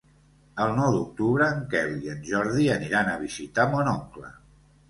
El nou d'octubre en Quel i en Jordi aniran a visitar mon oncle.